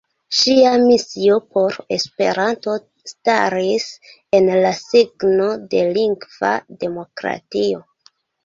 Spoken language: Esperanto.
Ŝia misio por Esperanto staris en la signo de lingva demokratio.